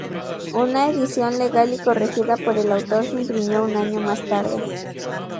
Una edición legal y corregida por el autor se imprimió un año más tarde.